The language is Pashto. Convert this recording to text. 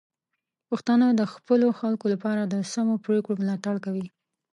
پښتانه د خپلو خلکو لپاره د سمو پریکړو ملاتړ کوي.